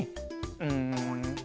うん。